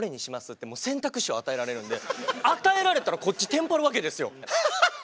ってもう選択肢を与えられるんで与えられたらこっちテンパるわけですよ！